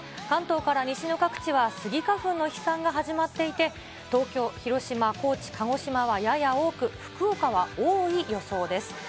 関東から西の各地はスギ花粉の飛散が始まっていて、東京、広島、高知、鹿児島はやや多く、福岡は多い予想です。